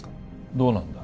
どうなんだ？